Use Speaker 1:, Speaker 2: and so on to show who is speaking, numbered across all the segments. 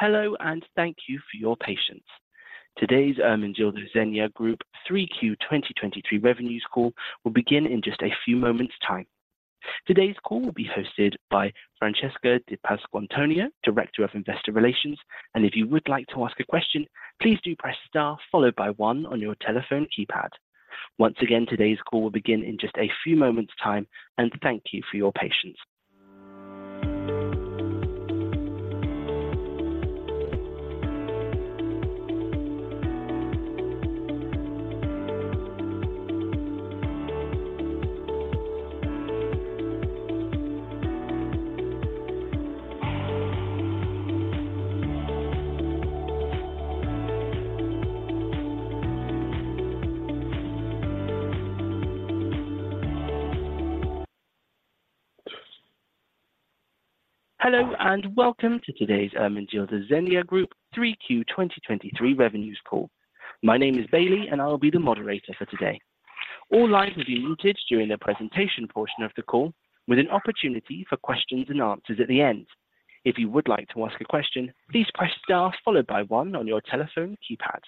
Speaker 1: Hello, and thank you for your patience. Today's Ermenegildo Zegna Group Q3 2023 Revenues Call will begin in just a few moments' time. Today's call will be hosted by Francesca Di Pasquantonio, Director of Investor Relations, and if you would like to ask a question, please do press star followed by one on your telephone keypad. Once again, today's call will begin in just a few moments' time, and thank you for your patience. Hello, and welcome to today's Ermenegildo Zegna Group Q3 2023 Revenues Call. My name is Bailey, and I'll be the moderator for today. All lines will be muted during the presentation portion of the call, with an opportunity for questions and answers at the end. If you would like to ask a question, please press star followed by one on your telephone keypad.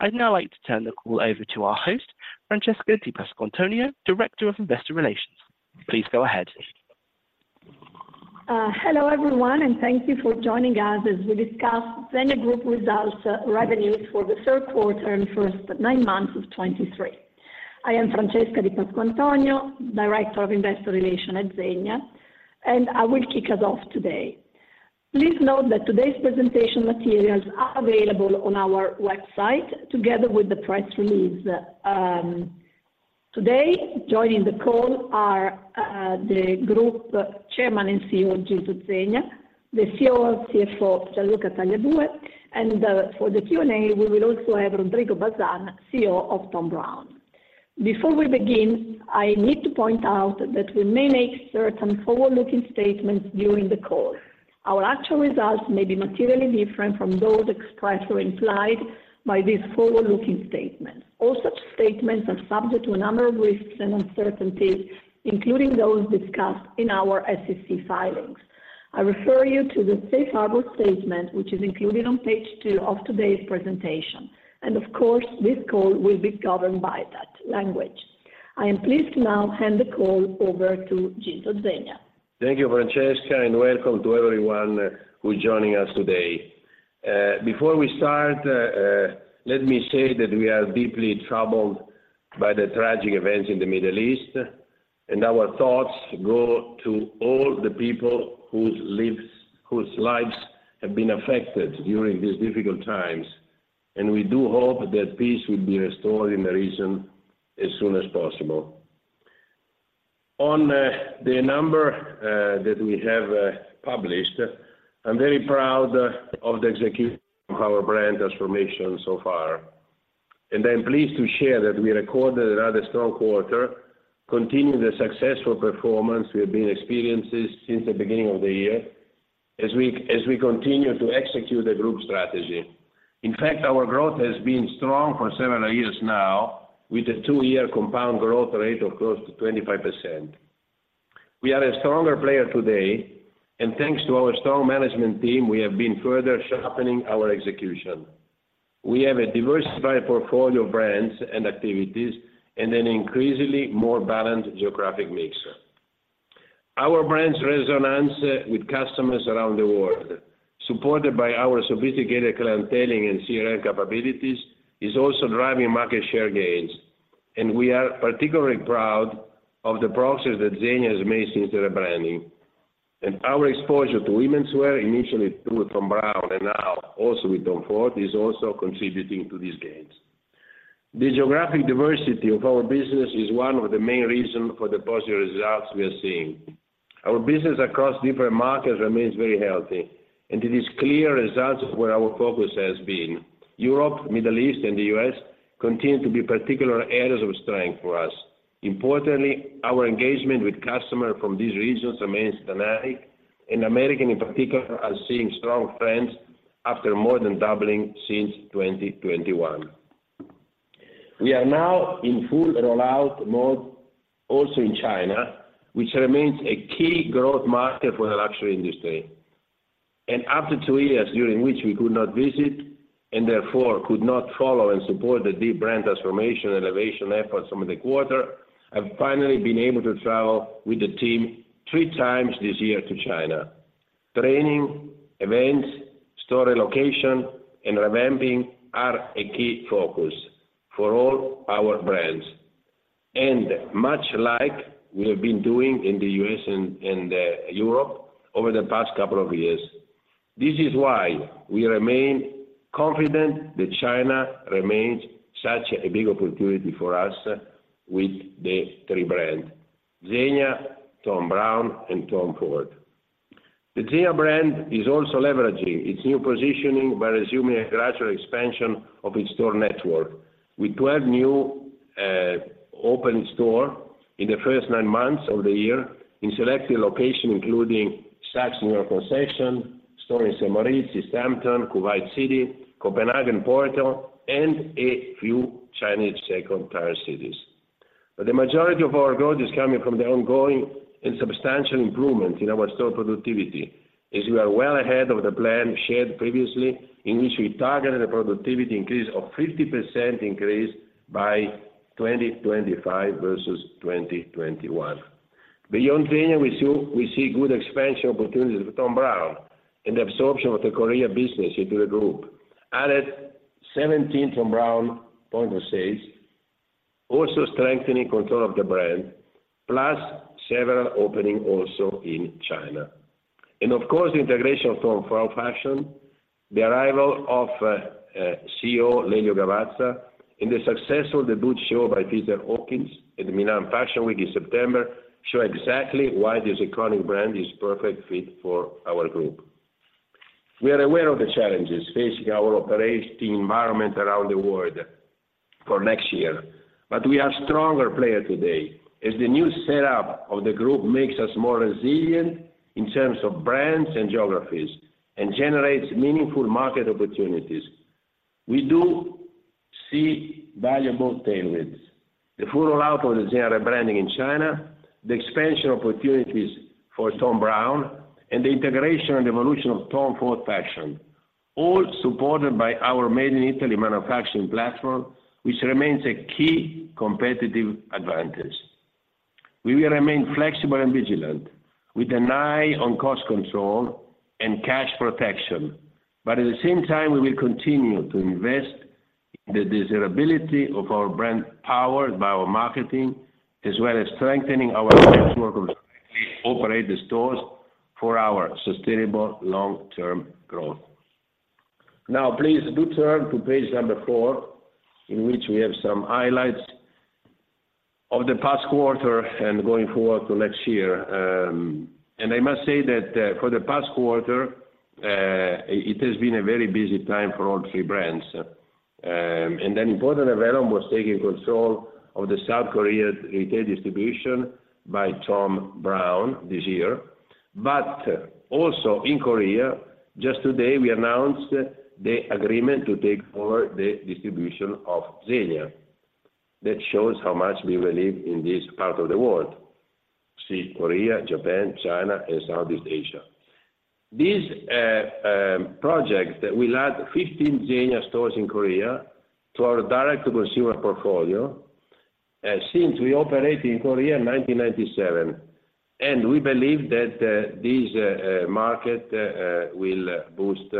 Speaker 1: I'd now like to turn the call over to our host, Francesca Di Pasquantonio, Director of Investor Relations. Please go ahead.
Speaker 2: Hello, everyone, and thank you for joining us as we discuss Zegna Group results, revenues for the third quarter and first nine months of 2023. I am Francesca Di Pasquantonio, Director of Investor Relations at Zegna, and I will kick us off today. Please note that today's presentation materials are available on our website, together with the press release. Today, joining the call are the group Chairman and CEO, Gildo Zegna, the COO and CFO, Gianluca Tagliabue, and for the Q&A, we will also have Rodrigo Bazan, CEO of Thom Browne. Before we begin, I need to point out that we may make certain forward-looking statements during the call. Our actual results may be materially different from those expressed or implied by these forward-looking statements. All such statements are subject to a number of risks and uncertainties, including those discussed in our SEC filings. I refer you to the safe harbor statement, which is included on page two of today's presentation, and of course, this call will be governed by that language. I am pleased to now hand the call over to Gildo Zegna.
Speaker 3: Thank you, Francesca, and welcome to everyone who is joining us today. Before we start, let me say that we are deeply troubled by the tragic events in the Middle East, and our thoughts go to all the people whose lives have been affected during these difficult times, and we do hope that peace will be restored in the region as soon as possible. On the number that we have published, I'm very proud of the execution of our brand transformation so far, and I'm pleased to share that we recorded another strong quarter, continuing the successful performance we have been experiencing since the beginning of the year as we continue to execute the group strategy. In fact, our growth has been strong for several years now, with a two-year compound growth rate of close to 25%. We are a stronger player today, and thanks to our strong management team, we have been further sharpening our execution. We have a diversified portfolio of brands and activities and an increasingly more balanced geographic mix. Our brands' resonance with customers around the world, supported by our sophisticated clienteling and CRM capabilities, is also driving market share gains, and we are particularly proud of the progress that Zegna has made since the rebranding. Our exposure to womenswear, initially through Thom Browne and now also with Tom Ford, is also contributing to these gains. The geographic diversity of our business is one of the main reasons for the positive results we are seeing. Our business across different markets remains very healthy, and it is clear results of where our focus has been. Europe, Middle East, and the U.S. continue to be particular areas of strength for us. Importantly, our engagement with customers from these regions remains dynamic, and Americas, in particular, are seeing strong trends after more than doubling since 2021. We are now in full rollout mode also in China, which remains a key growth market for the luxury industry. After two years during which we could not visit and therefore could not follow and support the rebrand transformation and innovation efforts over the quarter, I've finally been able to travel with the team three times this year to China. Training, events, store relocation, and revamping are a key focus for all our brands and much like we have been doing in the U.S. and Europe over the past couple of years. This is why we remain confident that China remains such a big opportunity for us with the three brands, Zegna, Thom Browne, and Tom Ford. The Zegna brand is also leveraging its new positioning by resuming a gradual expansion of its store network. With 12 new store openings in the first 9 months of the year in selected locations, including Saks Fifth Avenue in New York, stores in St. Moritz, Southampton, Kuwait City, Copenhagen, Porto, and a few Chinese second-tier cities. But the majority of our growth is coming from the ongoing and substantial improvement in our store productivity, as we are well ahead of the plan shared previously, in which we targeted a productivity increase of 50% by 2025 versus 2021. Beyond Zegna, we see good expansion opportunities with Thom Browne and the absorption of the Korea business into the group. Added 17 Thom Browne points of sale, also strengthening control of the brand, plus several openings also in China. And of course, the integration of Tom Ford Fashion, the arrival of CEO Lelio Gavazza, and the success of the debut show by Peter Hawkings at the Milan Fashion Week in September, show exactly why this iconic brand is perfect fit for our group. We are aware of the challenges facing our operating environment around the world for next year, but we are stronger player today, as the new setup of the group makes us more resilient in terms of brands and geographies, and generates meaningful market opportunities. We do see valuable tailwinds. The full rollout of the Zegna rebranding in China, the expansion opportunities for Thom Browne, and the integration and evolution of Tom Ford Fashion, all supported by our Made in Italy manufacturing platform, which remains a key competitive advantage. We will remain flexible and vigilant, with an eye on cost control and cash protection, but at the same time, we will continue to invest in the desirability of our brand power by our marketing, as well as strengthening our network of operate the stores for our sustainable long-term growth. Now, please do turn to page 4, in which we have some highlights of the past quarter and going forward to next year. I must say that, for the past quarter, it has been a very busy time for all three brands. An important event was taking control of the South Korea retail distribution by Thom Browne this year. But also in Korea, just today, we announced the agreement to take over the distribution of Zegna. That shows how much we believe in this part of the world: South Korea, Japan, China, and Southeast Asia. This project that will add 15 Zegna stores in Korea to our direct-to-consumer portfolio, since we operate in Korea in 1997, and we believe that this market will boost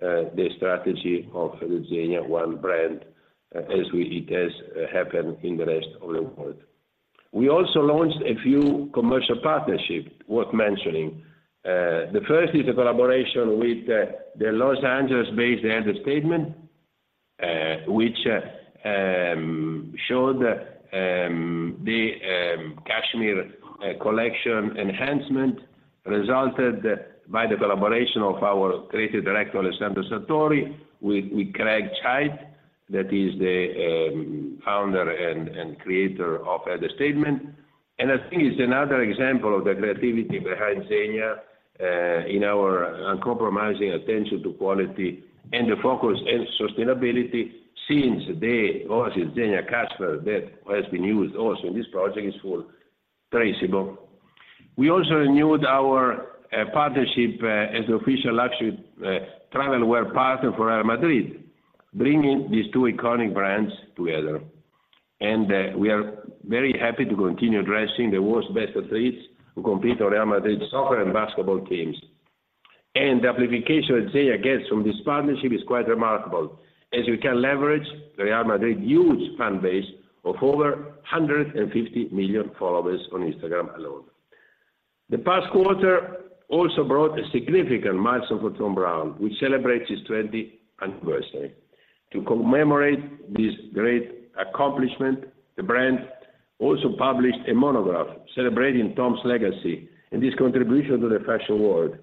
Speaker 3: the strategy of the Zegna One Brand, as it has happened in the rest of the world. We also launched a few commercial partnerships worth mentioning. The first is a collaboration with the Los Angeles-based The Elder Statesman, which showed the cashmere collection enhancement, resulted by the collaboration of our creative director, Alessandro Sartori, with Greg Chait, that is the founder and creator of The Elder Statesman. And I think it's another example of the creativity behind Zegna, in our uncompromising attention to quality and the focus in sustainability, since also, Zegna Cashmere, that has been used also in this project, is full traceable. We also renewed our partnership as official luxury travel wear partner for Real Madrid, bringing these two iconic brands together. And we are very happy to continue dressing the world's best athletes who compete on Real Madrid soccer and basketball teams. And the amplification that Zegna gets from this partnership is quite remarkable, as we can leverage Real Madrid huge fan base of over 150 million followers on Instagram alone. The past quarter also brought a significant milestone for Thom Browne, which celebrates his 20th anniversary. To commemorate this great accomplishment, the brand also published a monograph celebrating Thom's legacy and his contribution to the fashion world.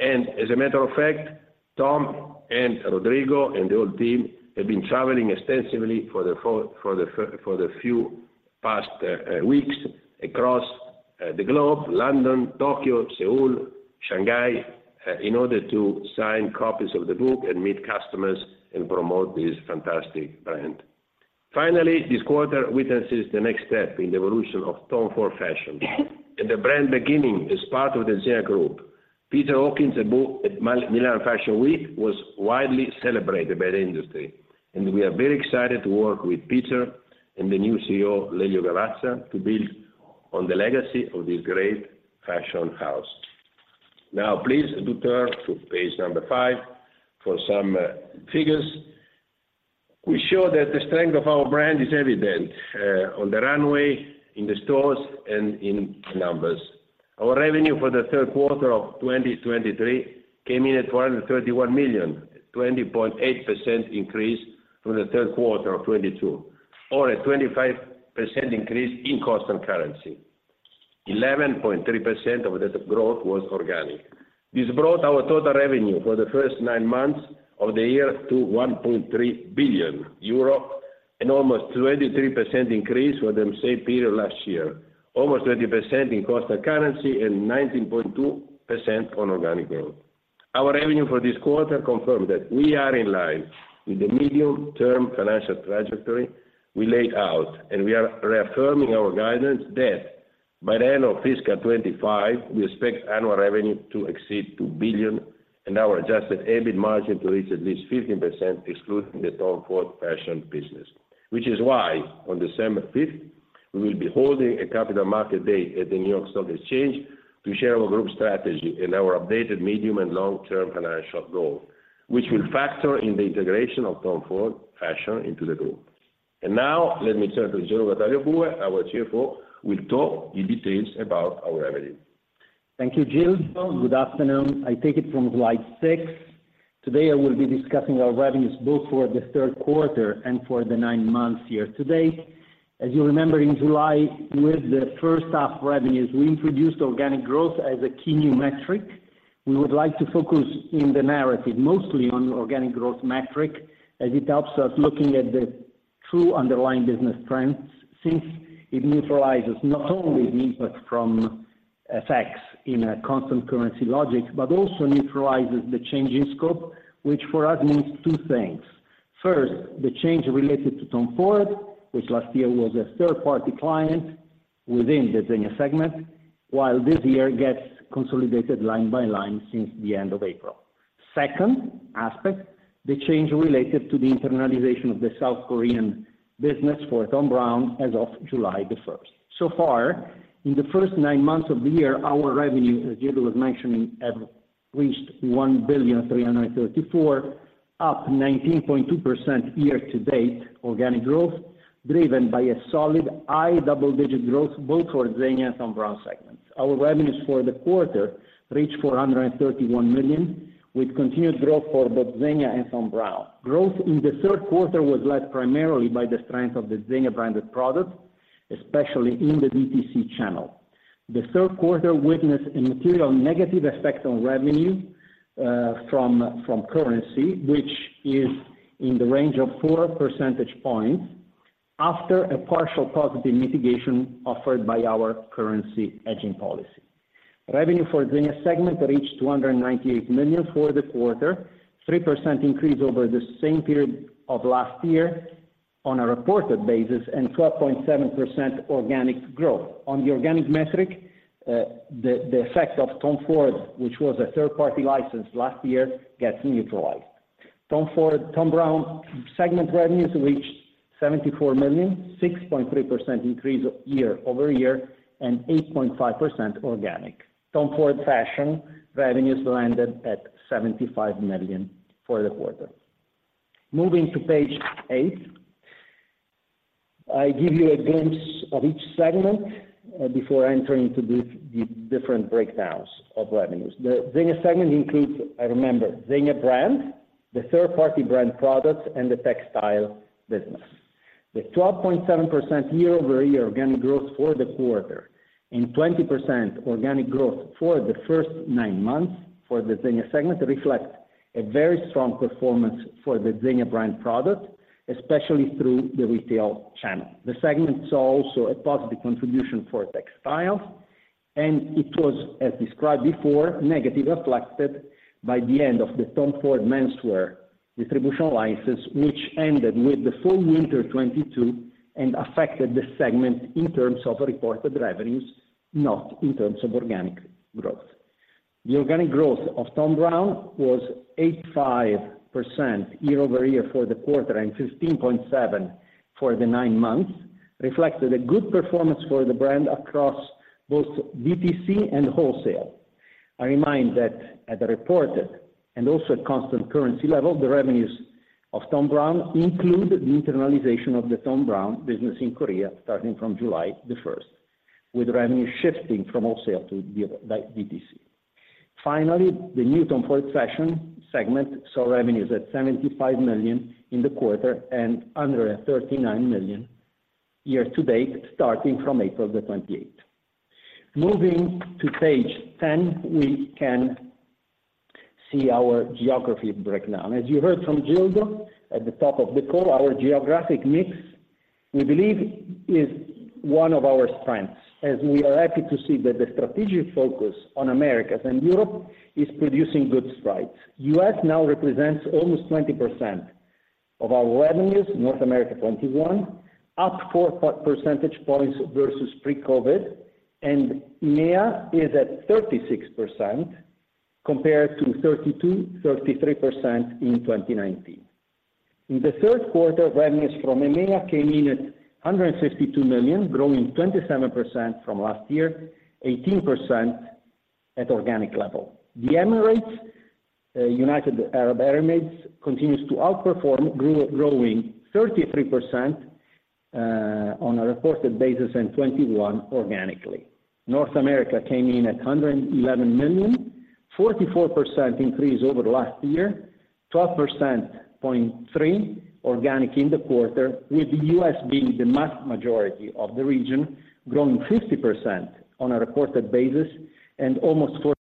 Speaker 3: As a matter of fact, Thom and Rodrigo and the whole team have been traveling extensively for the past few weeks across the globe, London, Tokyo, Seoul, Shanghai, in order to sign copies of the book and meet customers and promote this fantastic brand. Finally, this quarter witnesses the next step in the evolution of Tom Ford Fashion, and the brand beginning as part of the Zegna Group. Peter Hawkings debut at Milan Fashion Week was widely celebrated by the industry, and we are very excited to work with Peter and the new CEO, Lelio Gavazza, to build on the legacy of this great fashion house. Now, please do turn to page 5 for some figures. We show that the strength of our brand is evident on the runway, in the stores, and in numbers. Our revenue for the third quarter of 2023 came in at 131 million, 20.8% increase from the third quarter of 2022, or a 25% increase in constant currency. 11.3% of that growth was organic. This brought our total revenue for the first nine months of the year to 1.3 billion euro, an almost 23% increase for the same period last year, almost 20% in constant currency, and 19.2% on organic growth. Our revenue for this quarter confirmed that we are in line with the medium-term financial trajectory we laid out, and we are reaffirming our guidance that by the end of fiscal 2025, we expect annual revenue to exceed 2 billion and our adjusted EBIT margin to reach at least 15%, excluding the Tom Ford Fashion business. Which is why on December 5th, we will be holding a Capital Markets Day at the New York Stock Exchange to share our group strategy and our updated medium- and long-term financial goals, which will factor in the integration of Tom Ford Fashion into the group. Now let me turn to Gianluca Tagliabue, our CFO, who will talk in detail about our revenue.
Speaker 4: Thank you, Gildo. Good afternoon. I take it from slide 6. Today, I will be discussing our revenues both for the third quarter and for the 9 months year-to-date. As you remember, in July, with the first half revenues, we introduced organic growth as a key new metric. We would like to focus in the narrative, mostly on organic growth metric, as it helps us looking at the true underlying business trends, since it neutralizes not only the input from effects in a constant currency logic, but also neutralizes the change in scope, which for us means 2 things. First, the change related to Tom Ford, which last year was a third-party client within the Zegna segment, while this year gets consolidated line by line since the end of April. Second aspect, the change related to the internalization of the South Korean business for Thom Browne as of July the first. So far, in the first nine months of the year, our revenue, as Gildo was mentioning, have reached 1.334 billion, up 19.2% year-to-date organic growth, driven by a solid high double-digit growth both for Zegna and Thom Browne segments. Our revenues for the quarter reached 431 million, with continued growth for both Zegna and Thom Browne. Growth in the third quarter was led primarily by the strength of the Zegna branded products, especially in the DTC channel. The third quarter witnessed a material negative effect on revenue from currency, which is in the range of 4 percentage points after a partial positive mitigation offered by our currency hedging policy. Revenue for Zegna segment reached 298 million for the quarter, 3% increase over the same period of last year on a reported basis, and 12.7% organic growth. On the organic metric, the effect of Tom Ford, which was a third-party license last year, gets neutralized. Thom Browne segment revenues reached 74 million, 6.3% increase year-over-year, and 8.5% organic. Tom Ford Fashion revenues landed at 75 million for the quarter. Moving to page 8, I give you a glimpse of each segment, before entering into the different breakdowns of revenues. The Zegna segment includes, remember, Zegna brand, the third-party brand products, and the textile business. The 12.7% year-over-year organic growth for the quarter and 20% organic growth for the first nine months for the Zegna segment reflect a very strong performance for the Zegna brand product, especially through the retail channel. The segment saw also a positive contribution for textiles, and it was, as described before, negatively reflected by the end of the Tom Ford Menswear distribution license, which ended with the Fall/Winter 2022 and affected the segment in terms of reported revenues, not in terms of organic growth. The organic growth of Thom Browne was 85% year-over-year for the quarter and 15.7% for the nine months, reflected a good performance for the brand across both DTC and wholesale. I remind that at the reported and also at constant currency level, the revenues of Thom Browne include the internalization of the Thom Browne business in Korea starting from July 1, with revenue shifting from wholesale to the DTC. Finally, the new Tom Ford Fashion segment saw revenues at 75 million in the quarter and under 39 million year-to-date, starting from April 28. Moving to page 10, we can see our geography breakdown. As you heard from Gildo at the top of the call, our geographic mix, we believe, is one of our strengths, as we are happy to see that the strategic focus on Americas and Europe is producing good strides. US now represents almost 20% of our revenues, North America, 21%, up four percentage points versus pre-COVID, and EMEA is at 36%, compared to 32%-33% in 2019. In the third quarter, revenues from EMEA came in at 162 million, growing 27% from last year, 18% at organic level. The Emirates, United Arab Emirates, continues to outperform, growing 33%, on a reported basis, and 21% organically. North America came in at 111 million, 44% increase over last year, 12.3% organic in the quarter, with the US being the vast majority of the region, growing 50% on a reported basis and almost 40%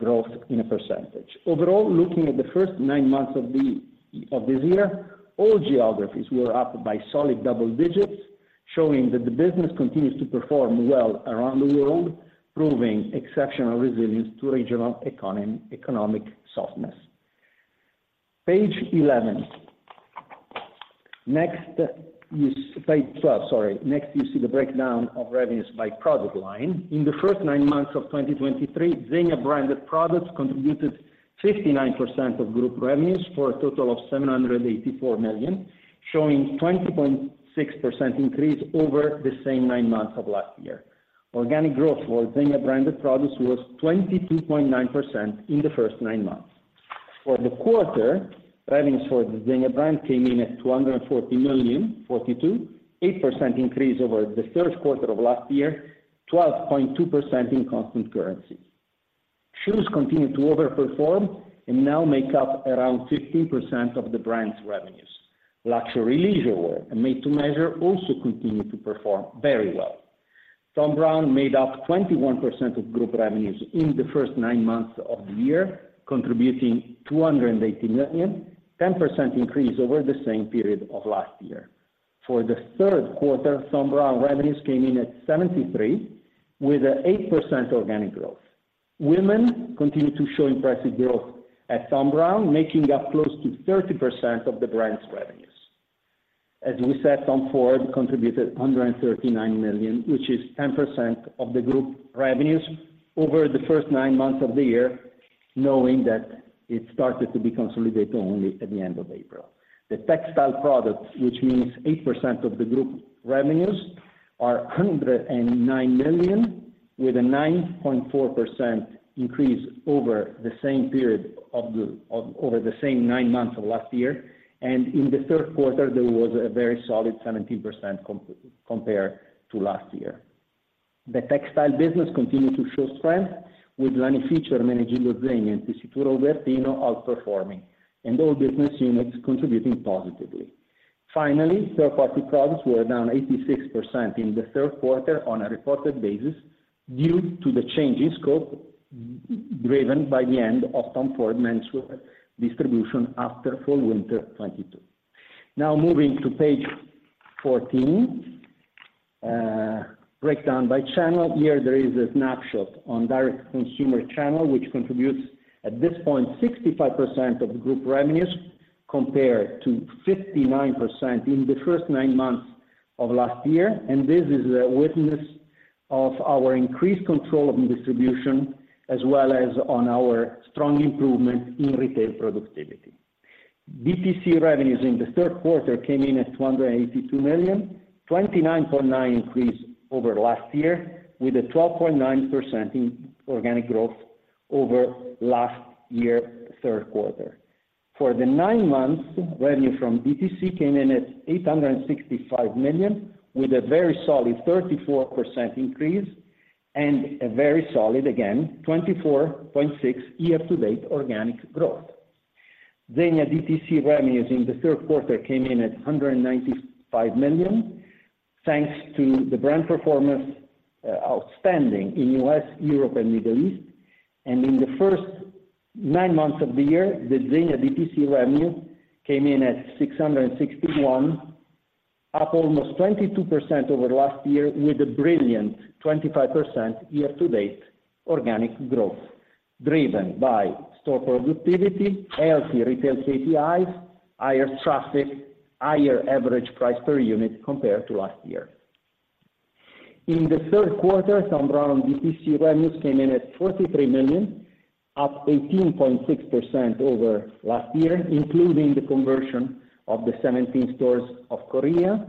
Speaker 4: growth. Overall, looking at the first 9 months of this year, all geographies were up by solid double digits, showing that the business continues to perform well around the world, proving exceptional resilience to regional economic softness. Page 11. Next, you see page 12, sorry. Next, you see the breakdown of revenues by product line. In the first 9 months of 2023, Zegna-branded products contributed 59% of group revenues, for a total of 784 million, showing 20.6% increase over the same 9 months of last year. Organic growth for Zegna-branded products was 22.9% in the first 9 months. For the quarter, revenues for the Zegna brand came in at 240 million, 42.8% increase over the third quarter of last year, 12.2% in constant currency. Shoes continued to overperform and now make up around 15% of the brand's revenues. Luxury leisurewear and made-to-measure also continued to perform very well. Thom Browne made up 21% of group revenues in the first 9 months of the year, contributing 280 million, 10% increase over the same period of last year. For the third quarter, Thom Browne revenues came in at 73 million, with an 8% organic growth. Women continued to show impressive growth at Thom Browne, making up close to 30% of the brand's revenues. As we said, Tom Ford contributed 139 million, which is 10% of the group revenues over the first nine months of the year, knowing that it started to be consolidated only at the end of April. The textile products, which means 8% of the group revenues, are 109 million, with a 9.4% increase over the same period over the same nine months of last year, and in the third quarter, there was a very solid 17% compared to last year. The textile business continued to show strength, with Lanificio Zegna, Maglificio Zegna, and Tessitura Ubertino outperforming, and all business units contributing positively. Finally, third-party products were down 86% in the third quarter on a reported basis, due to the change in scope, driven by the end of Tom Ford Menswear distribution after Fall/Winter 2022. Now moving to page 14, breakdown by channel. Here, there is a snapshot on direct-to-consumer channel, which contributes, at this point, 65% of the group revenues, compared to 59% in the first nine months of last year. And this is a witness of our increased control of distribution, as well as on our strong improvement in retail productivity. DTC revenues in the third quarter came in at 282 million, 29.9% increase over last year, with a 12.9% in organic growth over last year, third quarter. For the nine months, revenue from DTC came in at 865 million, with a very solid 34% increase and a very solid, again, 24.6% year-to-date organic growth. Zegna DTC revenues in the third quarter came in at 195 million, thanks to the brand performance, outstanding in U.S., Europe, and Middle East. And in the first nine months of the year, the Zegna DTC revenue came in at 661 million, up almost 22% over last year, with a brilliant 25% year-to-date organic growth, driven by store productivity, healthy retail KPIs, higher traffic, higher average price per unit compared to last year. In the third quarter, Thom Browne DTC revenues came in at 43 million, up 18.6% over last year, including the conversion of the 17 stores in Korea.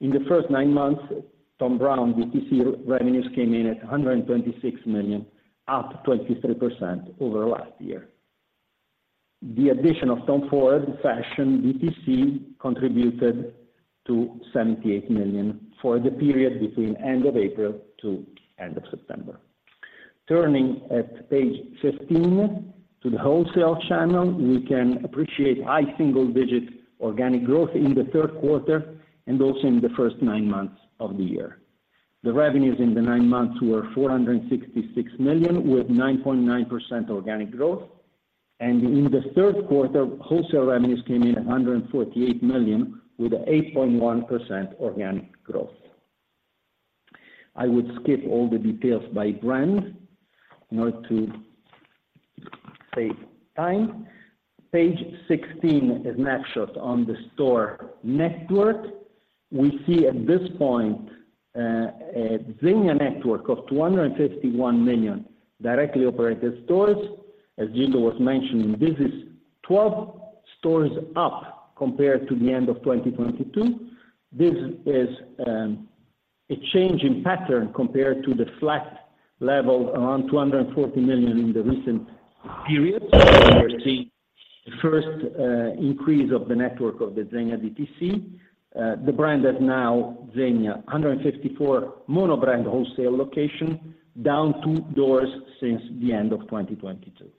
Speaker 4: In the first nine months, Thom Browne DTC revenues came in at 126 million, up 23% over last year. The addition of Tom Ford Fashion DTC contributed to 78 million for the period between end of April to end of September. Turning to page 15, to the wholesale channel, we can appreciate high single-digit organic growth in the third quarter and also in the first nine months of the year. The revenues in the nine months were 466 million, with 9.9% organic growth, and in the third quarter, wholesale revenues came in at 148 million, with an 8.1% organic growth. I would skip all the details by brand in order to save time. Page 16 is snapshots on the store network. We see at this point, a Zegna network of 251 directly operated stores. As Gildo was mentioning, this is 12 stores up compared to the end of 2022. This is a change in pattern compared to the flat level, around 240 in the recent periods. We are seeing the first increase of the network of the Zegna DTC. The brand has now, Zegna, 154 mono-brand wholesale locations, down two doors since the end of 2022.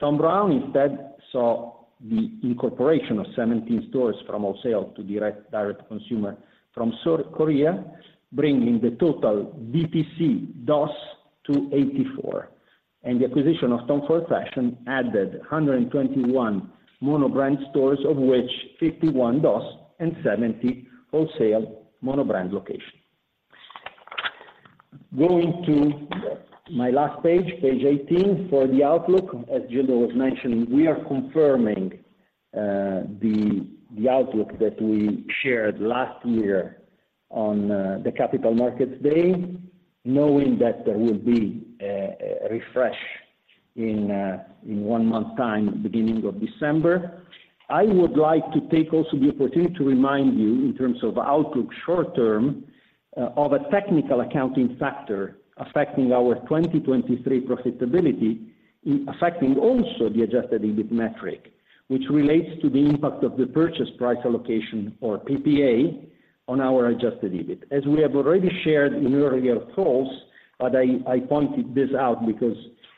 Speaker 4: Thom Browne instead saw the incorporation of 17 stores from wholesale to direct, direct consumer from South Korea, bringing the total DTC DOS to 84, and the acquisition of Tom Ford Fashion added 121 mono-brand stores, of which 51 DOS and 70 wholesale mono-brand locations. Going to my last page, page 18, for the outlook, as Gildo was mentioning, we are confirming the outlook that we shared last year on the Capital Markets Day, knowing that there will be a refresh in one month time, beginning of December. I would like to take also the opportunity to remind you, in terms of outlook short term, of a technical accounting factor affecting our 2023 profitability, affecting also the adjusted EBIT metric, which relates to the impact of the purchase price allocation, or PPA, on our adjusted EBIT. As we have already shared in earlier calls, but I pointed this out because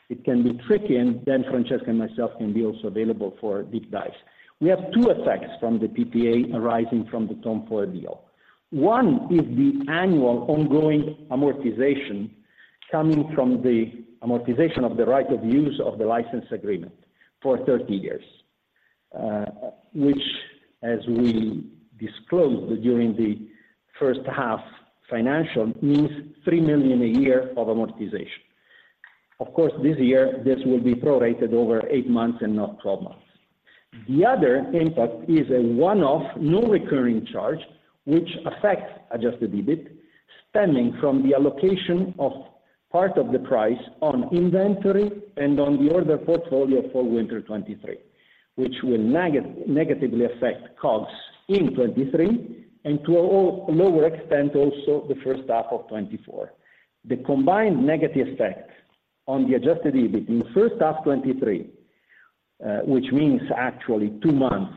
Speaker 4: it can be tricky, and then Francesca and myself can be also available for deep dives. We have two effects from the PPA arising from the Tom Ford deal. One is the annual ongoing amortization coming from the amortization of the right of use of the license agreement for 30 years, which, as we disclosed during the first half financial, means 3 million a year of amortization. Of course, this year, this will be prorated over 8 months and not 12 months. The other impact is a one-off, non-recurring charge, which affects Adjusted EBIT, stemming from the allocation of part of the price on inventory and on the order portfolio for Winter 2023, which will negatively affect costs in 2023, and to a lower extent, also the first half of 2024. The combined negative effect on the Adjusted EBIT in the first half of 2023, which means actually two months,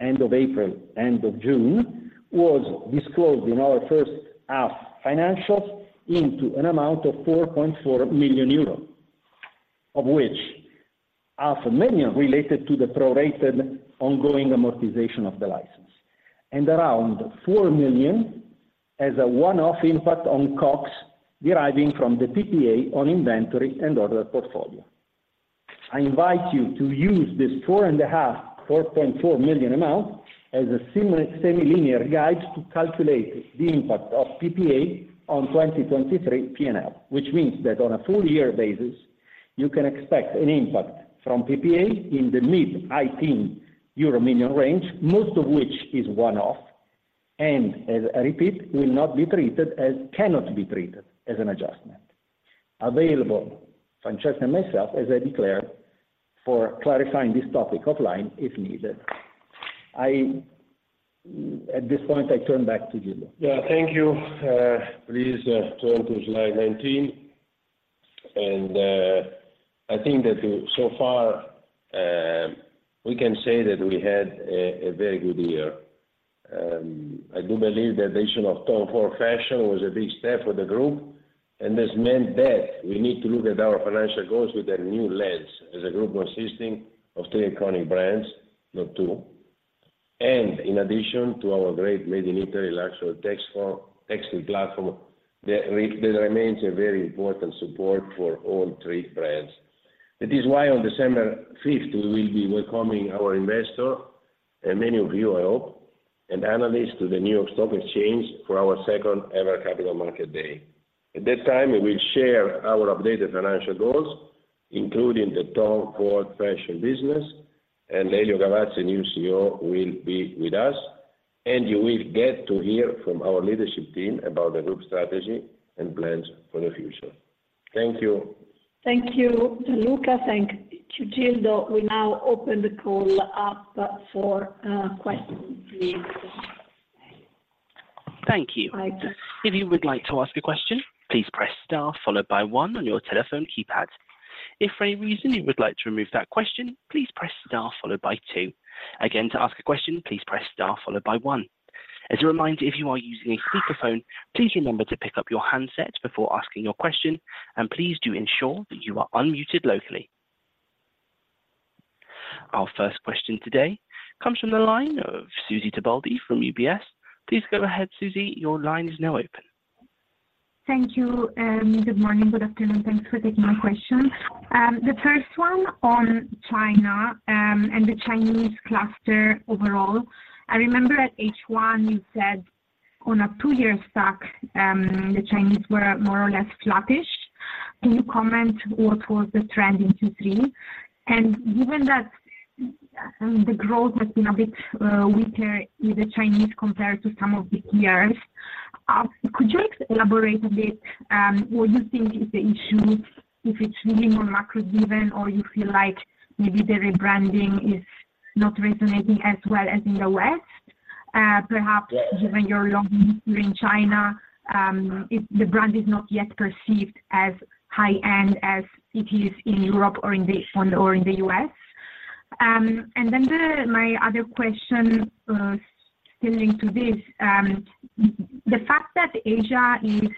Speaker 4: end of April, end of June, was disclosed in our first half financials into an amount of 4.4 million euros, of which 0.5 million related to the prorated ongoing amortization of the license and around 4 million as a one-off impact on costs deriving from the PPA on inventory and order portfolio. I invite you to use this 4.5 million, 4.4 million amount as a semi-linear guide to calculate the impact of PPA on 2023 P&L, which means that on a full year basis, you can expect an impact from PPA in the mid-high teens million Euro range, most of which is one-off, and as I repeat, will not be treated as... cannot be treated as an adjustment. Available, Francesca and myself, as I declared, for clarifying this topic offline if needed. I, at this point, turn back to Gildo.
Speaker 3: Yeah, thank you, please turn to slide 19. And, I think that so far, we can say that we had a very good year. I do believe the addition of Tom Ford Fashion was a big step for the group, and this meant that we need to look at our financial goals with a new lens as a group consisting of three iconic brands, not two. And in addition to our great Made in Italy luxury textile platform, that remains a very important support for all three brands. It is why on December fifth, we will be welcoming our investors, and many of you, I hope, and analysts to the New York Stock Exchange for our second-ever Capital Markets Day. At that time, we will share our updated financial goals, including the Tom Ford Fashion business, and Lelio Gavazza, new CEO, will be with us, and you will get to hear from our leadership team about the group strategy and plans for the future. Thank you.
Speaker 2: Thank you, Luca. Thank you, Gildo. We now open the call up for questions, please.
Speaker 1: Thank you. If you would like to ask a question, please press star followed by one on your telephone keypad. If for any reason you would like to remove that question, please press star followed by two. Again, to ask a question, please press star followed by one. As a reminder, if you are using a speakerphone, please remember to pick up your handset before asking your question, and please do ensure that you are unmuted locally. Our first question today comes from the line of Susy Tibaldi from UBS. Please go ahead, Susy, your line is now open.
Speaker 5: Thank you, and good morning. Good afternoon. Thanks for taking my question. The first one on China, and the Chinese cluster overall, I remember at H1, you said on a two-year stack, the Chinese were more or less flattish. Can you comment what was the trend in Q3? And given that, the growth has been a bit, weaker with the Chinese compared to some of the peers, could you elaborate a bit, what you think is the issue, if it's really more macro driven, or you feel like maybe the rebranding is not resonating as well as in the West? Perhaps given your long view in China, if the brand is not yet perceived as high-end as it is in Europe or in London or in the U.S. Then my other question, still linked to this, the fact that Asia is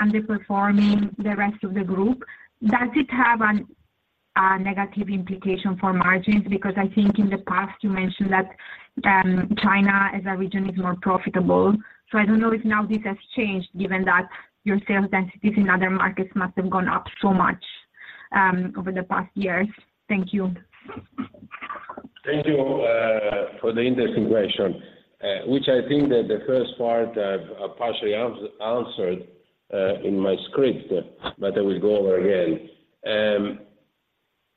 Speaker 5: underperforming the rest of the group, does it have a negative implication for margins? Because I think in the past, you mentioned that China as a region is more profitable. So I don't know if now this has changed, given that your sales densities in other markets must have gone up so much over the past years. Thank you.
Speaker 3: Thank you for the interesting question, which I think that the first part I partially answered in my script, but I will go over again.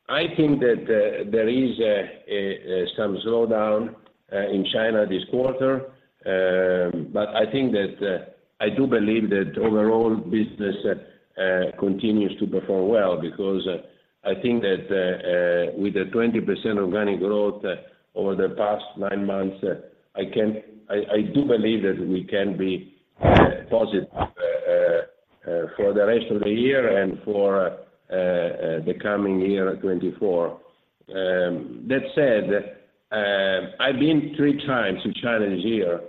Speaker 3: I think that there is some slowdown in China this quarter, but I think that I do believe that overall business continues to perform well, because I think that with the 20% organic growth over the past nine months, I do believe that we can be positive for the rest of the year and for the coming year, 2024. That said, I've been three times to China this year,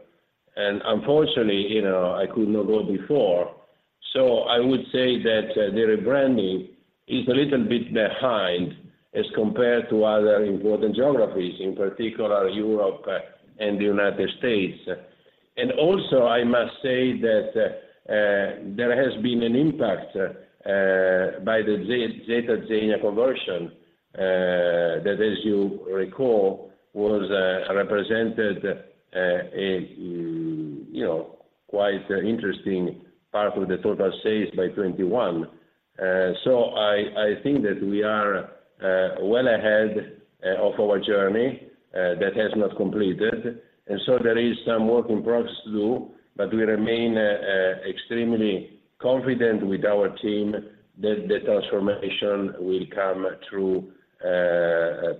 Speaker 3: and unfortunately, you know, I could not go before. So I would say that the rebranding is a little bit behind as compared to other important geographies, in particular Europe and the United States. And also, I must say that there has been an impact by the Z Zegna conversion that, as you recall, was represented in, you know, quite interesting part of the total sales by 2021. So I think that we are well ahead of our journey that has not completed, and so there is some work in progress to do, but we remain extremely confident with our team that the transformation will come through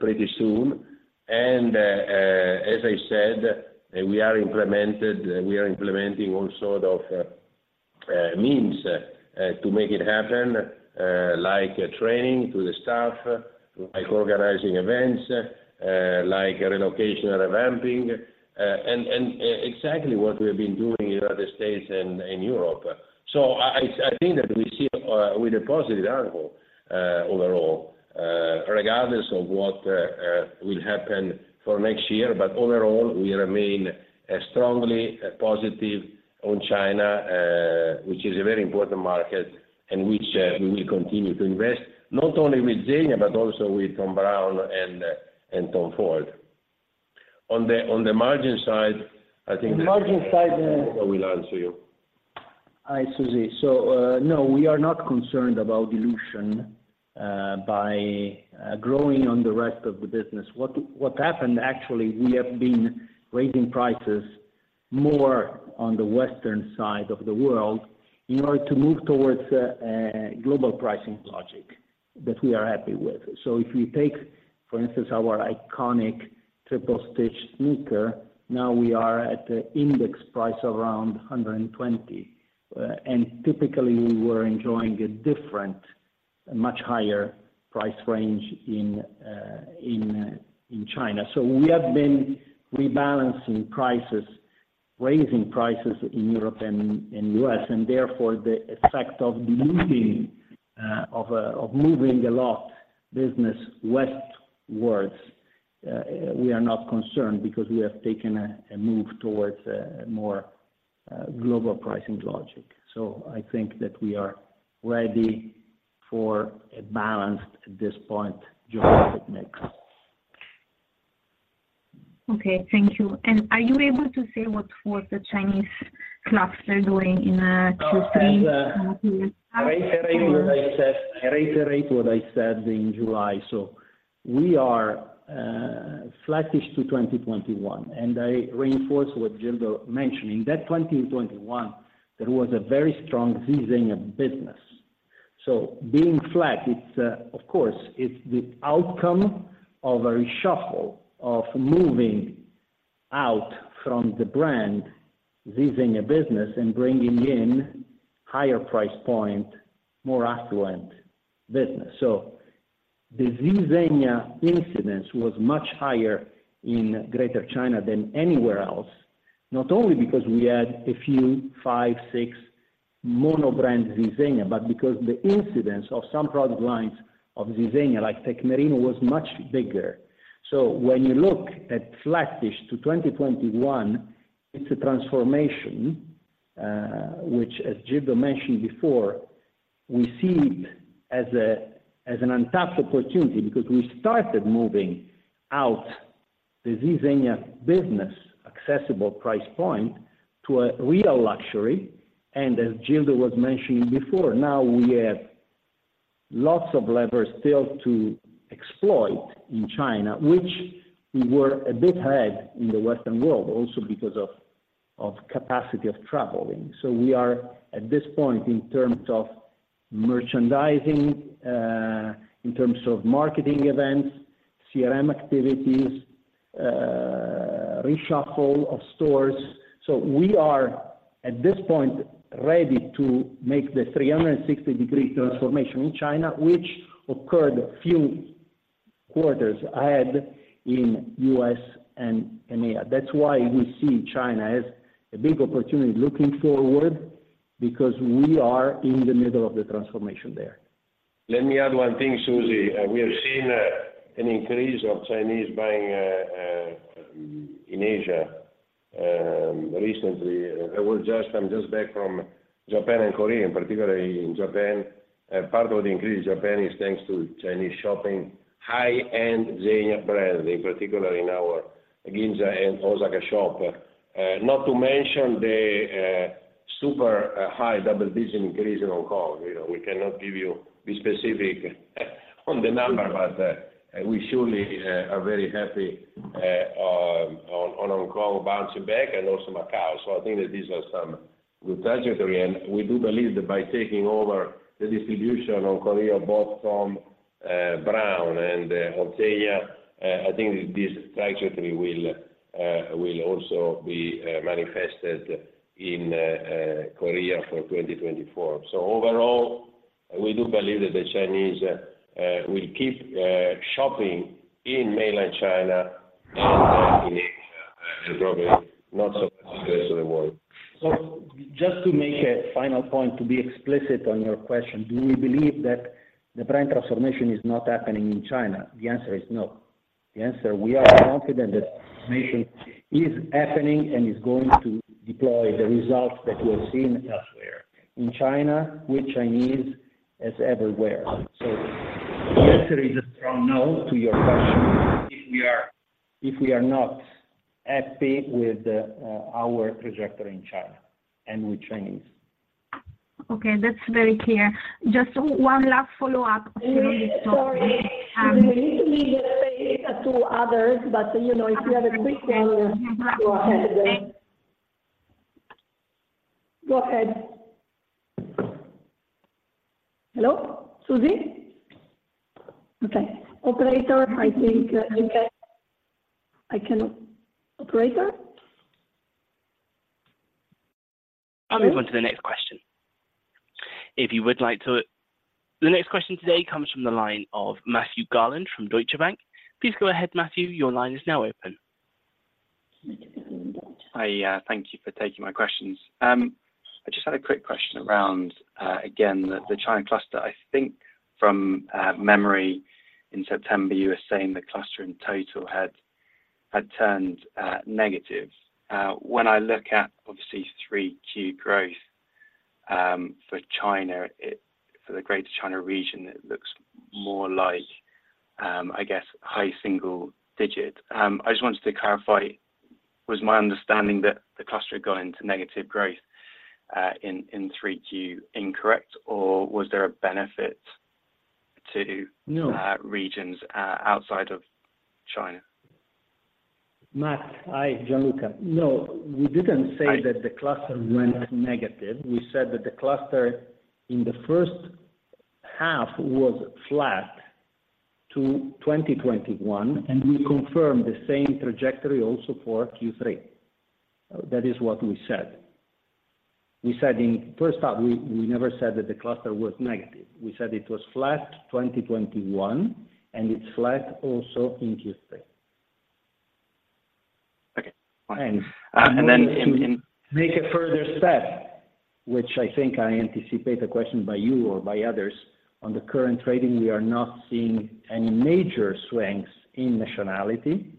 Speaker 3: pretty soon. And, as I said, we are implementing all sort of means to make it happen, like training to the staff, like organizing events, like relocation and revamping, and exactly what we have been doing in United States and in Europe. So I think that we see with a positive angle overall, regardless of what will happen for next year, but overall, we remain strongly positive on China, which is a very important market and which we will continue to invest, not only with Zegna, but also with Thom Browne and Tom Ford. On the margin side, I think Gianluca will answer you.
Speaker 4: Hi, Susy. So, no, we are not concerned about dilution by growing on the rest of the business. What happened, actually, we have been raising prices more on the western side of the world in order to move towards a global pricing logic that we are happy with. So if we take, for instance, our iconic Triple Stitch sneaker, now we are at the index price around 120, and typically, we were enjoying a different, much higher price range in China. So we have been rebalancing prices, raising prices in Europe and U.S., and therefore the effect of diluting of moving a lot business westwards, we are not concerned because we have taken a move towards a more global pricing logic. I think that we are ready for a balanced, at this point, geographic mix.
Speaker 5: Okay, thank you. Are you able to say what the Chinese cluster was doing in Q3?
Speaker 4: I reiterate what I said, I reiterate what I said in July. So we are flattish to 2021, and I reinforce what Gildo mentioning, that 2021, there was a very strong Z Zegna business. So being flat, it's, of course, it's the outcome of a reshuffle of moving out from the brand Z Zegna business and bringing in higher price point, more affluent business. So the Z Zegna incidence was much higher in Greater China than anywhere else, not only because we had a few, five, six... mono brand Zegna, but because the incidence of some product lines of Zegna, like Techmerino, was much bigger. So when you look at Q4 2021, it's a transformation, which, as Gildo mentioned before, we see it as a, as an untapped opportunity because we started moving out the Zegna business accessible price point to a real luxury. And as Gildo was mentioning before, now we have lots of levers still to exploit in China, which we were a bit ahead in the Western world, also because of, of capacity of traveling. So we are, at this point, in terms of merchandising, in terms of marketing events, CRM activities, reshuffle of stores. So we are, at this point, ready to make the 360-degree transformation in China, which occurred a few quarters ahead in U.S. and EMEA. That's why we see China as a big opportunity looking forward, because we are in the middle of the transformation there.
Speaker 3: Let me add one thing, Susie. We have seen an increase of Chinese buying in Asia recently. I would just add, I'm just back from Japan and Korea, and particularly in Japan. Part of the increase in Japan is thanks to Chinese shopping, high-end Zegna brand, in particular in our Ginza and Osaka shop. Not to mention the super high double-digit increase in Hong Kong. You know, we cannot give you the specific on the number, but we surely are very happy on Hong Kong bouncing back and also Macau. So I think that these are some good trajectory, and we do believe that by taking over the distribution on Korea, both Thom Brown and of Zegna, I think this trajectory will also be manifested in Korea for 2024. Overall, we do believe that the Chinese will keep shopping in mainland China and probably not so much the rest of the world.
Speaker 4: So just to make a final point, to be explicit on your question, do we believe that the brand transformation is not happening in China? The answer is no. The answer, we are confident that transformation is happening and is going to deploy the results that we have seen elsewhere. In China, with Chinese, as everywhere. So the answer is a strong no to your question, if we are not happy with our trajectory in China and with Chinese.
Speaker 5: Okay, that's very clear. Just one last follow-up on this topic--
Speaker 2: We need to leave the space to others, but, you know, if you have a quick one, go ahead then. Go ahead. Hello, Susie? Okay, operator, I think I cannot... Operator?
Speaker 1: I'll move on to the next question. The next question today comes from the line of Matthew Garland from Deutsche Bank. Please go ahead, Matthew. Your line is now open.
Speaker 6: I thank you for taking my questions. I just had a quick question around, again, the China cluster. I think from memory in September, you were saying the cluster in total had turned negative. When I look at, obviously, 3Q growth for China, for the Greater China region, it looks more like, I guess, high single digit. I just wanted to clarify, was my understanding that the cluster had gone into negative growth in 3Q incorrect, or was there a benefit to regions outside of China?
Speaker 4: Matt, hi, Gianluca. No, we didn't say that the cluster went negative. We said that the cluster in the first half was flat to 2021, and we confirmed the same trajectory also for Q3. That is what we said. First half, we never said that the cluster was negative. We said it was flat 2021, and it's flat also in Q3.
Speaker 6: Okay, fine. And then in--
Speaker 4: Make a further step, which I think I anticipate the question by you or by others. On the current trading, we are not seeing any major swings in nationality,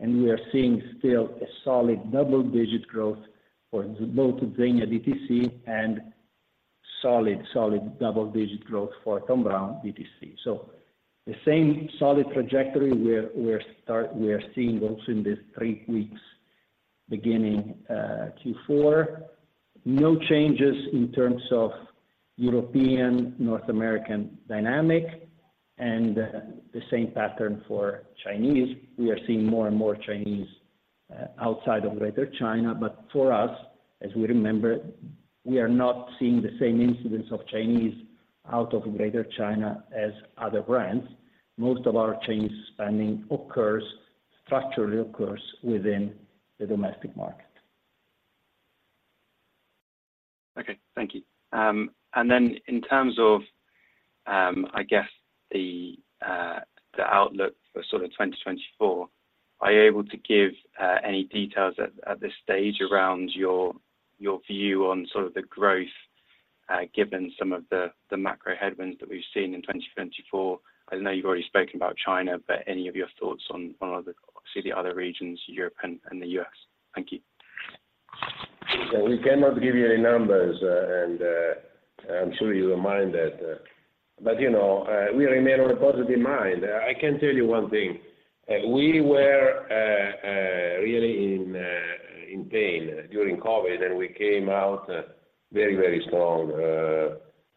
Speaker 4: and we are seeing still a solid double-digit growth for both Zegna DTC and solid, solid double-digit growth for Thom Browne DTC. So the same solid trajectory we're, we're start-- we are seeing also in this three weeks, beginning Q4. No changes in terms of European, North American dynamic, and the same pattern for Chinese. We are seeing more and more Chinese outside of Greater China. But for us, as we remember, we are not seeing the same incidents of Chinese out of Greater China as other brands. Most of our Chinese spending occurs, structurally occurs within the domestic market.
Speaker 6: Okay, thank you. And then in terms of, I guess, the outlook for sort of 2024, are you able to give any details at this stage around your view on sort of the growth, given some of the macro headwinds that we've seen in 2024? I know you've already spoken about China, but any of your thoughts on other, obviously, the other regions, Europe and the U.S.? Thank you.
Speaker 3: We cannot give you any numbers, and, I'm sure you won't mind that. But, you know, we remain on a positive mind. I can tell you one thing, we were really in pain during COVID, and we came out very, very strong.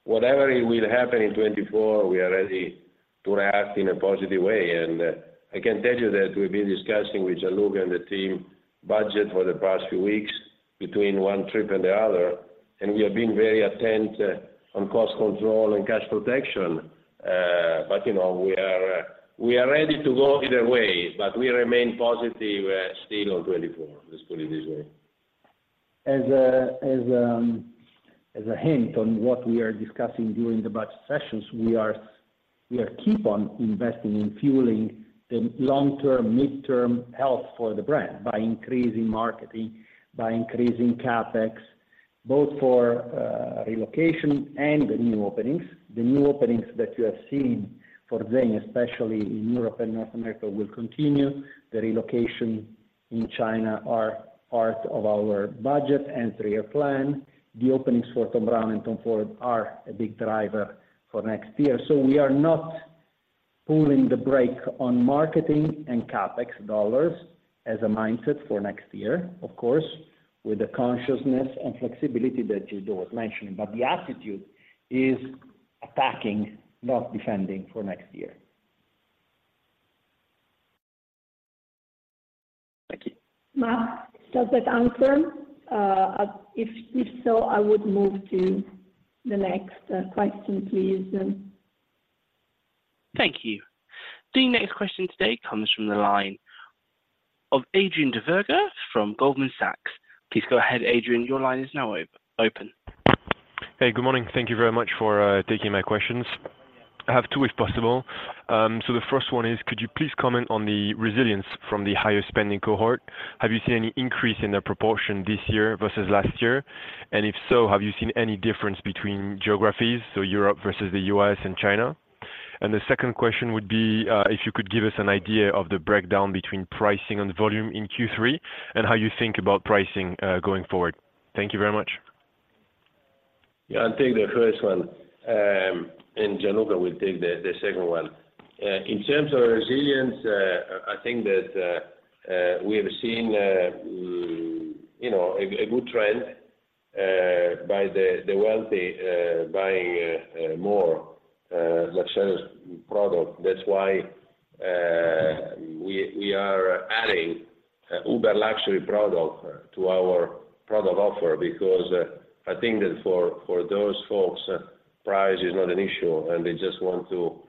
Speaker 3: Whatever will happen in 2024, we are ready to act in a positive way. And, I can tell you that we've been discussing with Gianluca and the team budget for the past few weeks between one trip and the other, and we have been very attentive on cost control and cash protection. But, you know, we are ready to go either way, but we remain positive still on 2024. Let's put it this way.
Speaker 4: As a hint on what we are discussing during the budget sessions, we keep on investing in fueling the long-term, midterm health for the brand by increasing marketing, by increasing CapEx, both for relocation and the new openings. The new openings that you have seen for Zegna, especially in Europe and North America, will continue. The relocation in China are part of our budget and three-year plan. The openings for Thom Browne and Tom Ford are a big driver for next year. So we are not pulling the brake on marketing and CapEx dollars as a mindset for next year, of course, with the consciousness and flexibility that Gildo was mentioning. But the attitude is attacking, not defending for next year.
Speaker 6: Thank you.
Speaker 2: Matt, does that answer? If so, I would move to the next question, please then.
Speaker 1: Thank you. The next question today comes from the line of Adrien Duverger from Goldman Sachs. Please go ahead, Adrien. Your line is now open.
Speaker 7: Hey, good morning. Thank you very much for taking my questions. I have two, if possible. So the first one is, could you please comment on the resilience from the higher spending cohort? Have you seen any increase in the proportion this year versus last year? And if so, have you seen any difference between geographies, so Europe versus the U.S. and China? And the second question would be, if you could give us an idea of the breakdown between pricing and volume in Q3, and how you think about pricing going forward. Thank you very much.
Speaker 3: Yeah, I'll take the first one, and Gianluca will take the second one. In terms of resilience, I think that we have seen, you know, a good trend by the wealthy buying more luxury product. That's why we are adding ultra luxury product to our product offerings, because I think that for those folks, price is not an issue, and they just want to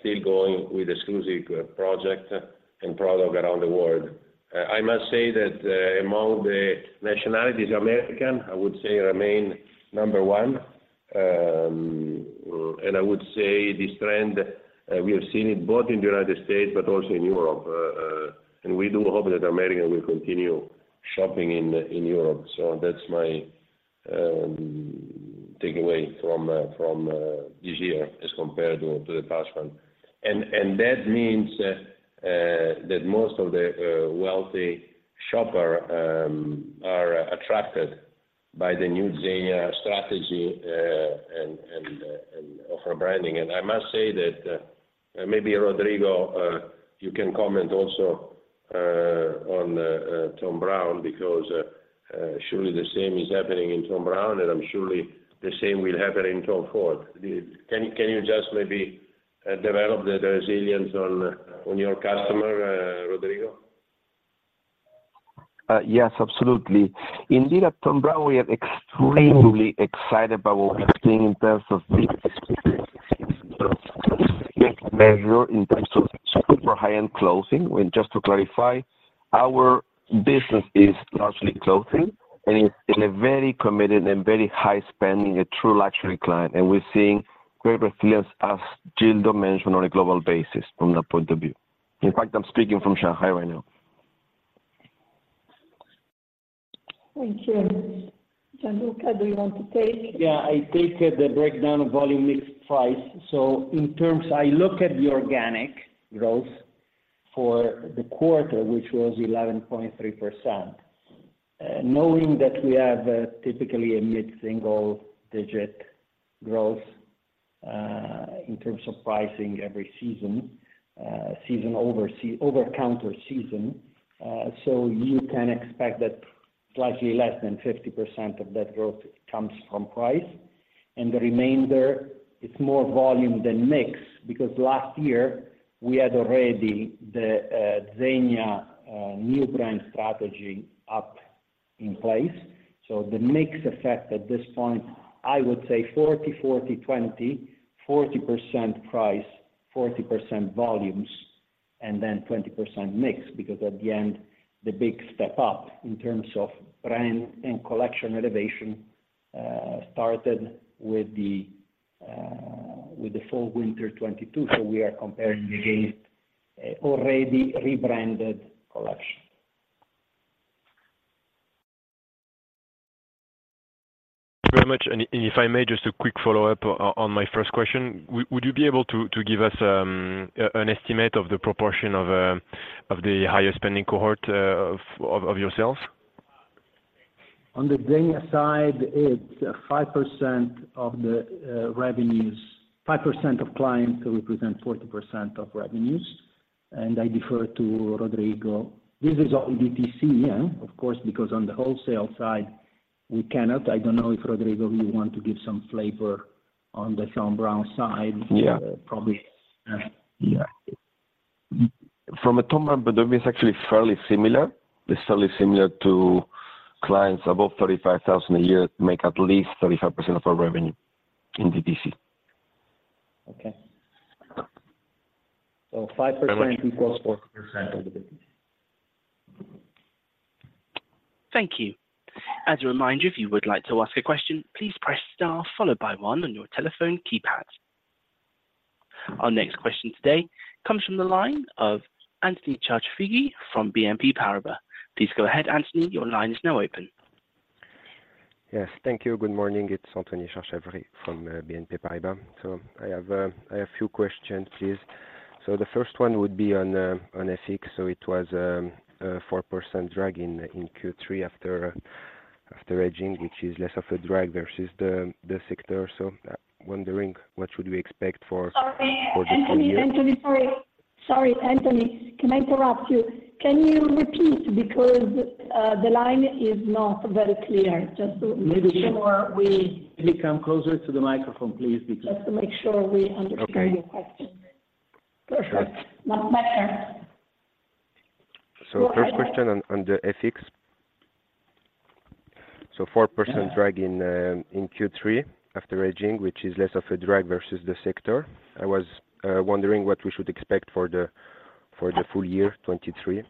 Speaker 3: still going with exclusive project and product around the world. I must say that among the nationalities, American, I would say, remain number one. And I would say this trend we have seen it both in the United States but also in Europe, and we do hope that America will continue shopping in Europe. So that's my takeaway from this year as compared to the past one. And that means that most of the wealthy shoppers are attracted by the new Zegna strategy and offer branding. And I must say that maybe, Rodrigo, you can comment also on Thom Browne, because surely the same is happening in Thom Browne, and I'm surely the same will happen in Tom Ford. Can you just maybe develop the resilience on your customer, Rodrigo?
Speaker 8: Yes, absolutely. Indeed, at Thom Browne, we are extremely excited about what we are seeing in terms of menswear, in terms of super high-end clothing. Just to clarify, our business is largely clothing and it's a very committed and very high spending, a true luxury client, and we're seeing great resilience as Gildo mentioned, on a global basis from that point of view. In fact, I'm speaking from Shanghai right now.
Speaker 2: Thank you. Gianluca, do you want to take?
Speaker 4: Yeah, I take the breakdown of volume mix price. So I look at the organic growth for the quarter, which was 11.3%, knowing that we have typically a mid-single digit growth in terms of pricing every season over season. So you can expect that slightly less than 50% of that growth comes from price, and the remainder is more volume than mix, because last year we had already the ZEGNA new brand strategy up in place. So the mix effect at this point, I would say 40-40-20. 40% price, 40% volumes, and then 20% mix, because at the end, the big step up in terms of brand and collection elevation started with the Fall/Winter 2022. So we are comparing against a already rebranded collection.
Speaker 7: Thank you very much. And if I may, just a quick follow-up on my first question. Would you be able to give us an estimate of the proportion of the higher spending cohort of yourselves?
Speaker 4: On the denim side, it's 5% of the revenues. 5% of clients represent 40% of revenues, and I defer to Rodrigo. This is all DTC, yeah, of course, because on the wholesale side, we cannot, I don't know if, Rodrigo, you want to give some flavor on the Thom Browne side?
Speaker 8: Yeah.
Speaker 4: Probably, yeah.
Speaker 8: From Thom Browne, but it's actually fairly similar. It's fairly similar to clients above 35,000 a year who make at least 35% of our revenue in DTC.
Speaker 4: Okay. 5% equals 4% of the business.
Speaker 1: Thank you. As a reminder, if you would like to ask a question, please press star followed by one on your telephone keypad. Our next question today comes from the line of Anthony Charchafji from BNP Paribas. Please go ahead, Anthony. Your line is now open.
Speaker 9: Yes, thank you. Good morning, it's Anthony Charchafji from BNP Paribas. So I have a few questions, please. So the first one would be on FX. So it was 4% drag in Q3 after hedging, which is less of a drag versus the sector. So I'm wondering, what should we expect for-
Speaker 2: Sorry, Anthony. Anthony, sorry. Sorry, Anthony, can I interrupt you? Can you repeat, because the line is not very clear. Just to make sure we-
Speaker 4: Maybe come closer to the microphone, please.
Speaker 2: Just to make sure we understand your question.
Speaker 9: Okay.
Speaker 2: Perfect. Much better.
Speaker 9: So first question on the FX. So 4% drag in Q3 after hedging, which is less of a drag versus the sector. I was wondering what we should expect for the full year 2023.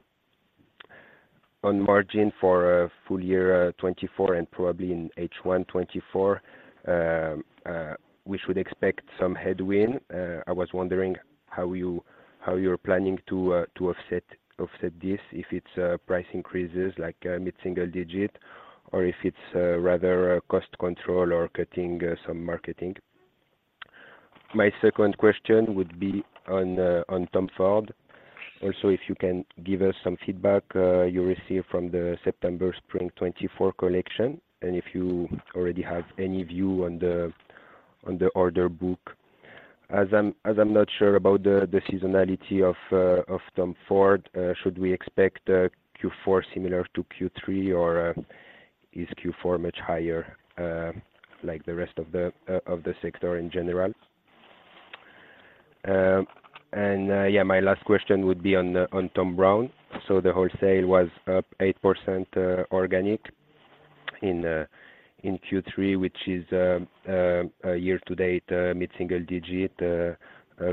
Speaker 9: On margin for full year 2024 and probably in H1 2024, we should expect some headwind. I was wondering how you're planning to offset this, if it's price increases like mid-single digit, or if it's rather cost control or cutting some marketing. My second question would be on Tom Ford. Also, if you can give us some feedback you received from the September spring 2024 collection, and if you already have any view on the order book. As I'm not sure about the seasonality of Tom Ford, should we expect Q4 similar to Q3, or is Q4 much higher, like the rest of the sector in general? And my last question would be on Thom Browne. So the wholesale was up 8% organic in Q3, which is a year-to-date mid-single digit,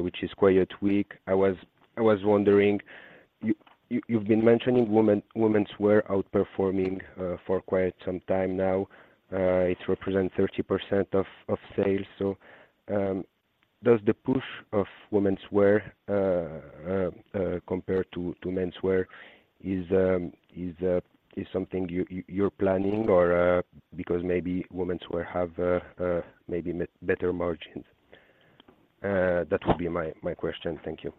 Speaker 9: which is quite weak. I was wondering, you've been mentioning womenswear outperforming for quite some time now. It represent 30% of sales. So, does the push of womenswear compared to menswear is something you're planning or because maybe womenswear have better margins? That would be my, my question. Thank you.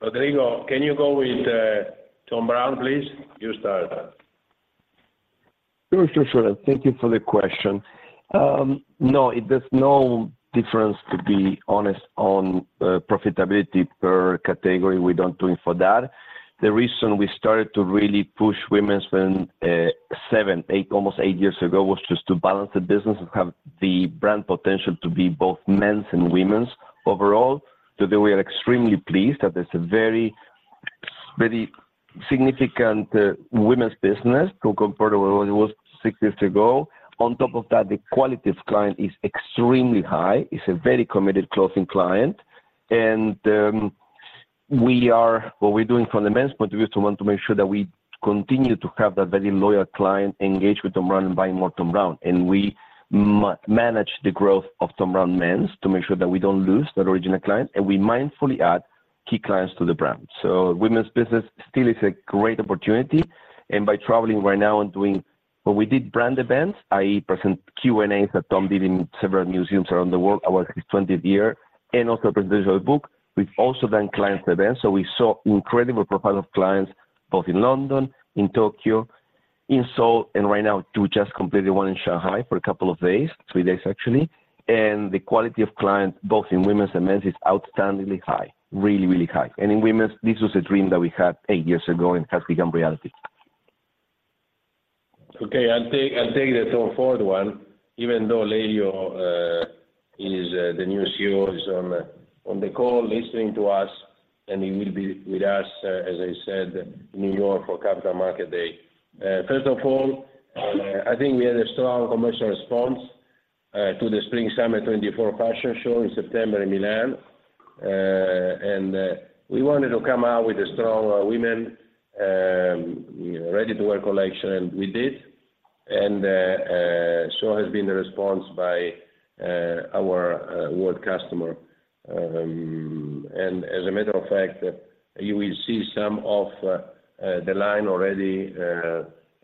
Speaker 3: Rodrigo, can you go with Thom Browne, please? You start.
Speaker 8: Sure, sure, sure. Thank you for the question. No, there's no difference, to be honest, on profitability per category. We don't do it for that. The reason we started to really push womenswear 7, 8, almost 8 years ago, was just to balance the business and have the brand potential to be both men's and women's overall. Today, we are extremely pleased that there's a very, very significant women's business to compare to what it was 6 years ago. On top of that, the quality of client is extremely high. It's a very committed clothing client, and what we're doing from the men's point of view is we want to make sure that we continue to have that very loyal client engaged with Thom Browne and buy more Thom Browne. We manage the growth of Thom Browne men's to make sure that we don't lose that original client, and we mindfully add key clients to the brand. So women's business still is a great opportunity, and by traveling right now. When we did brand events, i.e., present Q&A that Thom did in several museums around the world, our 20th year, and also present visual book, we've also done client events. So we saw incredible profile of clients, both in London, in Tokyo, in Seoul, and right now, to just complete the one in Shanghai for a couple of days, three days actually, and the quality of clients, both in women's and men's, is outstandingly high. Really, really high. And in women's, this was a dream that we had eight years ago and has become reality.
Speaker 3: Okay, I'll take the Tom Ford one, even though Lelio is the new CEO is on the call listening to us, and he will be with us, as I said, in New York for Capital Markets Day. First of all, I think we had a strong commercial response to the Spring/Summer 2024 fashion show in September in Milan. And we wanted to come out with a strong women's ready-to-wear collection, and we did. And so has been the response by our worldwide customer. And as a matter of fact, you will see some of the line already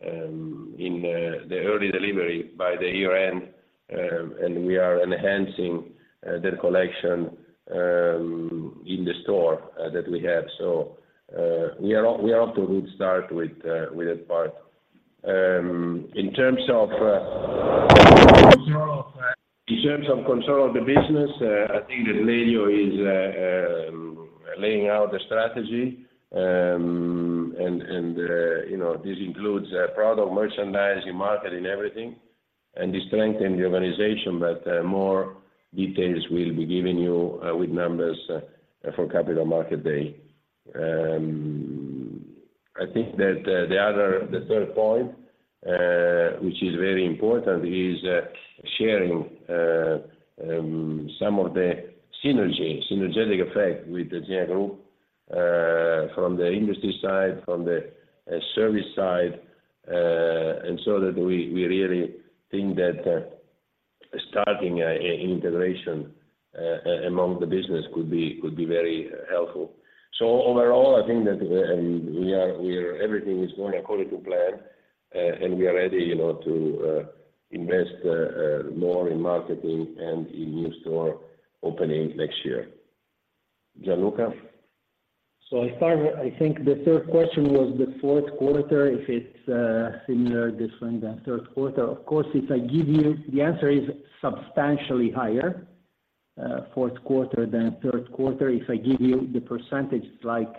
Speaker 3: in the early delivery by the year-end, and we are enhancing the collection in the store that we have. So we are off to a good start with that part. In terms of control of the business, I think that Lelio is laying out the strategy. And, you know, this includes product, merchandising, marketing, everything, and the strength in the organization, but more details we'll be giving you with numbers for Capital Markets Day. I think that the third point, which is very important, is sharing some of the synergy, synergetic effect with the general from the industry side, from the service side, and so that we really think that starting an integration among the business could be very helpful. So overall, I think that everything is going according to plan, and we are ready, you know, to invest more in marketing and in new store openings next year. Gianluca?
Speaker 4: So I thought, I think the third question was the fourth quarter, if it's similar, different than third quarter. Of course, if I give you, the answer is substantially higher, fourth quarter than third quarter. If I give you the percentage, it's like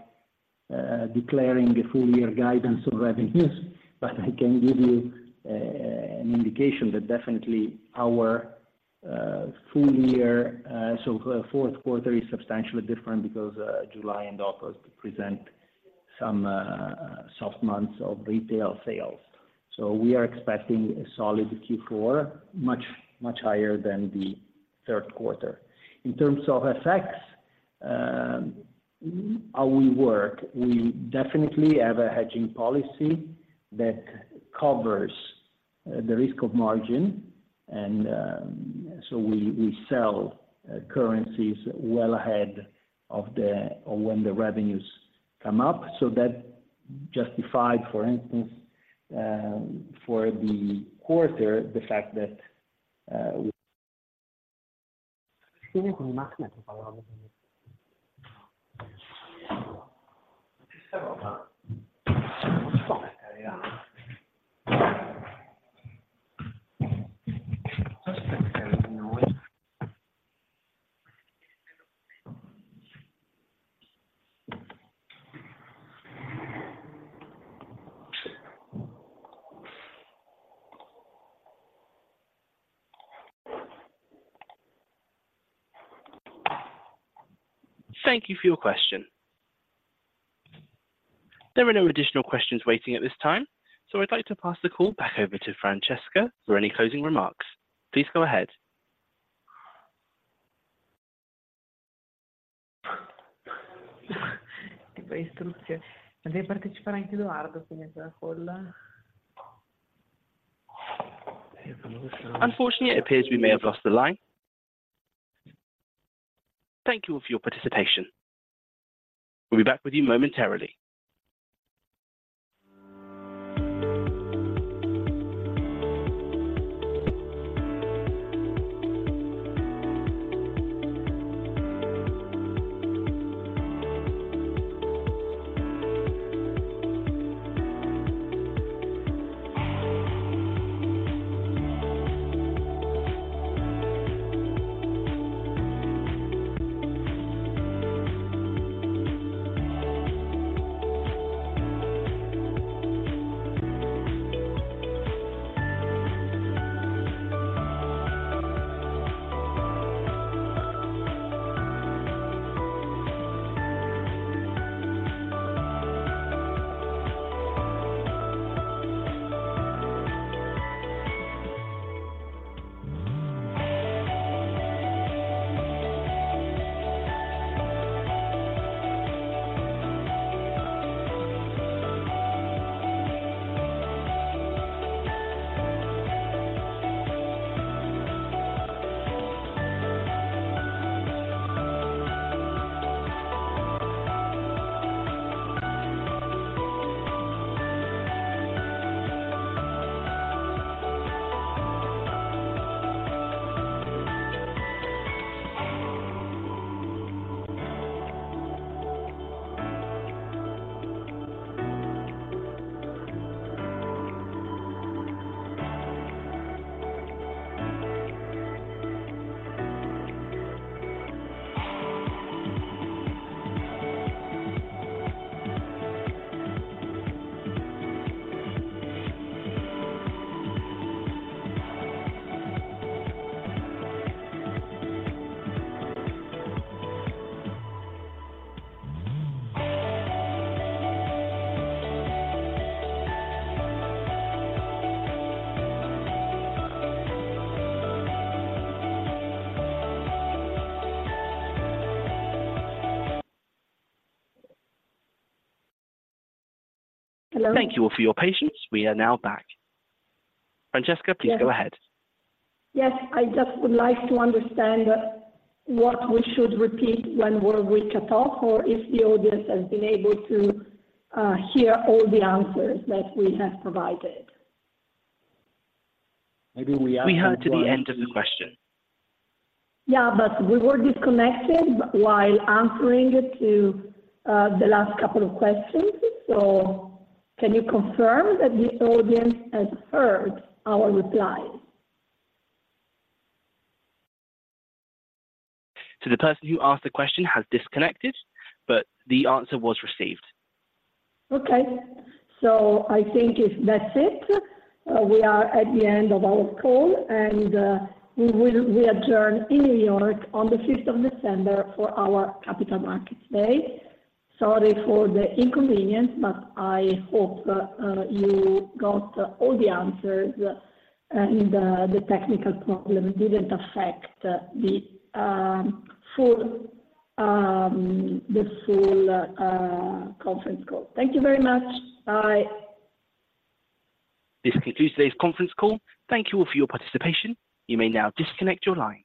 Speaker 4: declaring a full year guidance of revenues, but I can give you an indication that definitely our full year, so fourth quarter is substantially different because July and August present some soft months of retail sales. So we are expecting a solid Q4, much, much higher than the third quarter. In terms of FX, how we work, we definitely have a hedging policy that covers the risk of margin, and so we sell currencies well ahead of the, when the revenues come up. So that justified, for instance, for the quarter, the fact that...
Speaker 1: Thank you for your question. There are no additional questions waiting at this time, so I'd like to pass the call back over to Francesca for any closing remarks. Please go ahead. Unfortunately, it appears we may have lost the line. Thank you all for your participation. We'll be back with you momentarily. Thank you all for your patience. We are now back. Francesca, please go ahead.
Speaker 2: Yes, I just would like to understand what we should repeat when we're cut off, or if the audience has been able to hear all the answers that we have provided.
Speaker 4: Maybe we ask them to-
Speaker 1: We heard to the end of the question.
Speaker 2: Yeah, but we were disconnected while answering it to the last couple of questions. So can you confirm that the audience has heard our replies?
Speaker 1: The person who asked the question has disconnected, but the answer was received.
Speaker 2: Okay. So I think if that's it, we are at the end of our call, and we will re-adjourn in New York on December 5th for our Capital Markets Day. Sorry for the inconvenience, but I hope you got all the answers, and the technical problem didn't affect the full conference call. Thank you very much. Bye.
Speaker 1: This concludes today's conference call. Thank you all for your participation. You may now disconnect your lines.